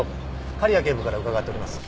狩矢警部から伺っております。